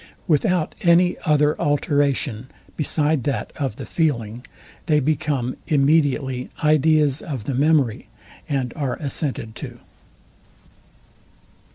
Without any other alteration, beside that of the feeling, they become immediately ideas of the memory, and are assented to.